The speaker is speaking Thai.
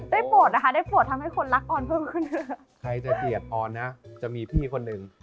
ได้โปรดได้ทำให้การรักออนเพิ่มขึ้น